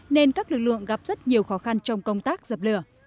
nên các lực lượng gặp rất nhiều khó khăn trong công tác dập lửa